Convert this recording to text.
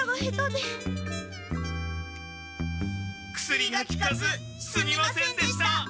薬がきかずすみませんでした！